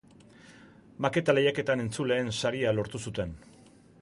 Maketa lehiaketan entzuleen saria lortu zuten.